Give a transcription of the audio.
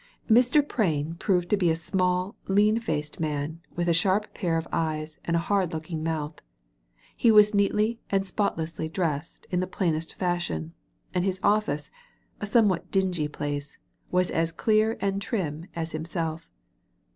Mr. Prain proved to be a small, lean faced man, with a sharp pair of eyes and a hard*looking mouth. He was neatly and spotlessly dressed in the plainest fashion, and his office, a somewhat dingy place, was as clear and trim as himself.